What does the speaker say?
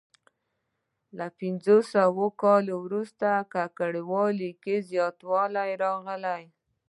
له پنځه سوه کال وروسته ککړوالي کې زیاتوالی راغلی.